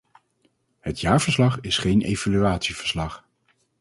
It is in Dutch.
Het jaarverslag is geen evaluatieverslag.